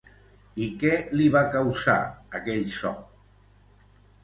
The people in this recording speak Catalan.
I què li va causar, aquell so?